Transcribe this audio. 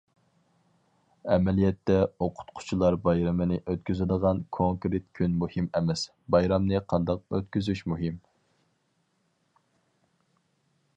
ئەمەلىيەتتە ئوقۇتقۇچىلار بايرىمىنى ئۆتكۈزىدىغان كونكرېت كۈن مۇھىم ئەمەس، بايرامنى قانداق ئۆتكۈزۈش مۇھىم.